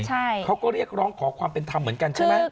ใช่เขาก็เรียกร้องขอความเป็นธรรมเหมือนกันใช่ไหม